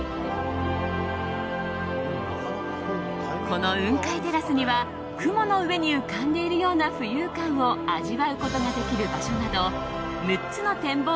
この雲海テラスには、雲の上に浮かんでいるような浮遊感を味わうことができる場所など６つの展望